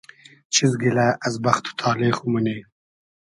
چیز گیلۂ از بئخت و تالې خو مونی؟